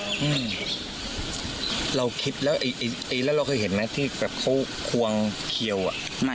อืมเราคิดแล้วไอ้แล้วเราเคยเห็นไหมที่แบบเขาควงเขียวอ่ะไม่